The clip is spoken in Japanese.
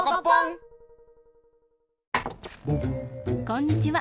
こんにちは。